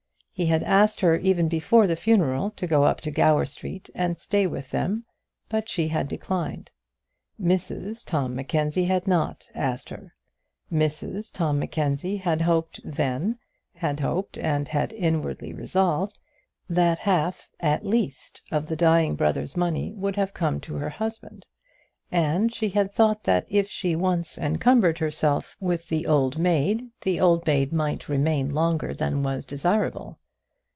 He had asked her even before the funeral to go up to Gower Street and stay with them, but she had declined. Mrs Tom Mackenzie had not asked her. Mrs Tom Mackenzie had hoped, then had hoped and had inwardly resolved that half, at least, of the dying brother's money would have come to her husband; and she had thought that if she once encumbered herself with the old maid, the old maid might remain longer than was desirable.